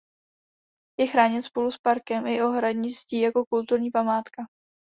Je chráněn spolu s parkem i ohradní zdí jako kulturní památka.